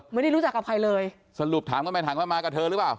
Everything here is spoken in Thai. ไม่ได้รู้จักกับใครเลยสรุปถามกันไปถามว่ามากับเธอหรือเปล่า